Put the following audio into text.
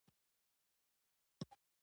غرمه د سبا او ماښام ترمنځ دی